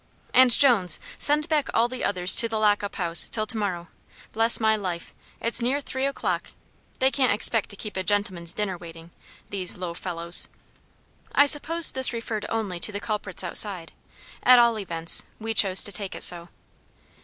"And, Jones, send back all the others to the lock up house till tomorrow. Bless my life! it's near three o'clock. They can't expect to keep a gentleman's dinner waiting these low fellows." I suppose this referred only to the culprits outside; at all events, we chose to take it so.